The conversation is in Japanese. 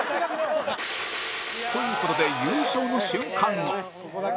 という事で優勝の瞬間を